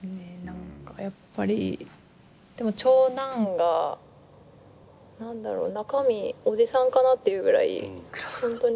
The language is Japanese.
何かやっぱりでも長男が何だろう中身おじさんかなっていうぐらい本当に落ち着いてて優しくて。